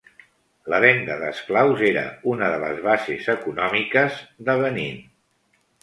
La venda d'esclaus era una de les bases econòmiques de Benín.